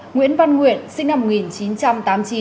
nguyễn văn nguyện sinh năm một nghìn chín trăm tám mươi chín